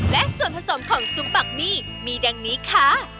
และส่วนผสมของซุปบักมี่มีดังนี้ค่ะ